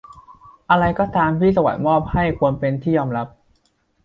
อะไรก็ตามที่สวรรค์มอบให้ควรเป็นที่ยอมรับ